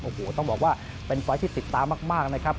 โอ้โหต้องบอกว่าเป็นไฟล์ที่ติดตามมากนะครับ